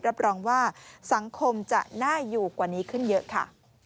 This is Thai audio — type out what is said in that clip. รับรองว่าสังคมจะน่าอยู่กว่านี้ขึ้นเยอะค่ะ